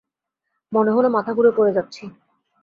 মনে হল মাথা ঘুরে পড়ে যাচ্ছি।